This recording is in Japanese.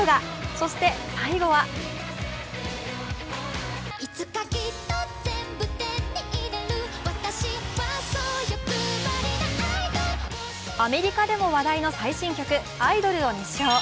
そして最後はアメリカでも話題の最新曲「アイドル」を熱唱。